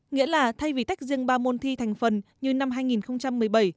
nghĩa là thay vì tách riêng ba môn thi thành phần như năm hai nghìn một mươi bảy